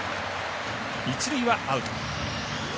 一塁はアウト。